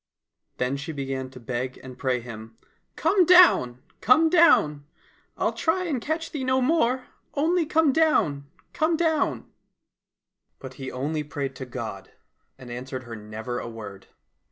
Then she began to beg and pray him, " Come down, come down ! I'll 89 COSSACK FAIRY TALES try and catch thee no more, only come down, come down !" But he only prayed to God, and answered her never a word.